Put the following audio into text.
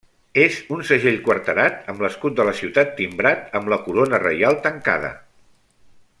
És un segell quarterat amb l'escut de la ciutat timbrat amb la corona reial tancada.